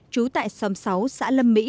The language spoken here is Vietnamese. trú tại xóm sáu xã lâm mỹ